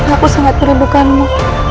aku sangat merindukanmu